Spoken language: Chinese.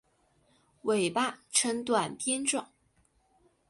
尾巴呈短鞭状。